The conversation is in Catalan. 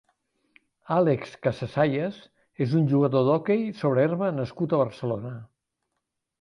Álex Casasayas és un jugador d'hoquei sobre herba nascut a Barcelona.